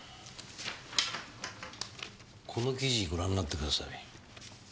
この記事ご覧になってください。